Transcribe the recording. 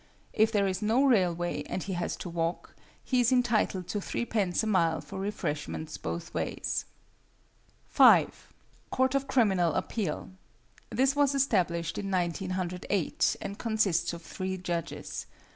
If there is no railway, and he has to walk, he is entitled to threepence a mile for refreshments both ways. 5. =Court of Criminal Appeal.= This was established in 1908, and consists of three judges.